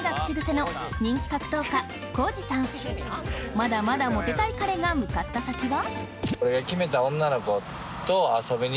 まだまだモテたい彼が向かった先は？